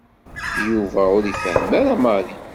Yuba ur ifehhem ara Mary.